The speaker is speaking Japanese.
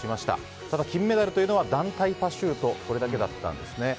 ただ、金メダルというのは団体パシュートこれだけだったんです。